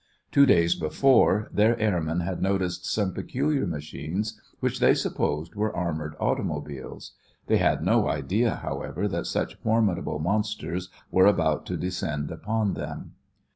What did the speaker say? Two days before, their airmen had noticed some peculiar machines which they supposed were armored automobiles. They had no idea, however, that such formidable monsters were about to descend upon them.